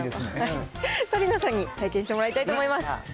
紗理奈さんに体験してもらいたいと思います。